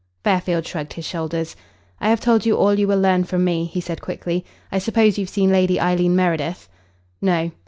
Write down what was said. Fairfield shrugged his shoulders. "I have told you all you will learn from me," he said quickly. "I suppose you've seen Lady Eileen Meredith." "No."